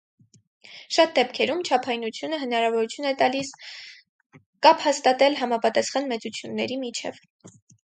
Շատ դեպքերում չափայնությունը հնարավորություն է տալիս կապ հաստատել համապատասխան մեծությունների միջև։